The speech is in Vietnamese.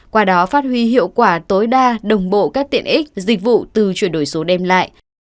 qua đó phát huy hiệu quả tối đa đồng bộ các tiện ích dịch vụ từ chuyển đổi số đem lại